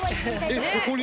ここに？